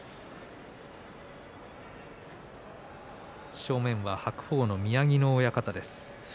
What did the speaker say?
正面は白鵬の宮城野親方です。